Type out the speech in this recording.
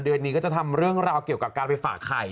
เดือนนี้ก็จะทำเรื่องราวเกี่ยวกับการไปฝากไข่